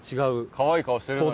かわいい顔してるのに。